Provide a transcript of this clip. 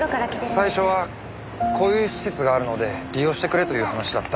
最初はこういう施設があるので利用してくれという話だった。